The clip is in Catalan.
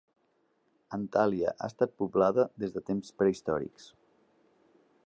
Antalya ha estat poblada des de temps prehistòrics.